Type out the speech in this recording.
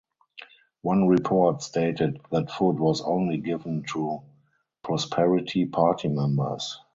One report stated that food was only given to Prosperity Party members.